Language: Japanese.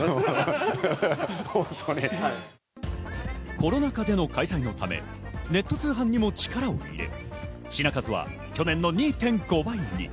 コロナ禍での開催のため、ネット通販にも力を入れ、品数は去年の２．５倍に。